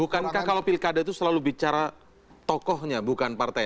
bukankah kalau pilkada itu selalu bicara tokohnya bukan partai